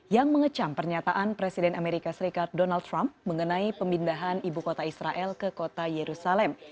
yang mengecam pernyataan presiden amerika serikat donald trump mengenai pemindahan ibu kota israel ke kota yerusalem